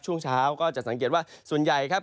ช่วงเช้าก็จะสังเกตว่าส่วนใหญ่ครับ